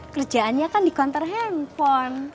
kerjaannya kan di counter handphone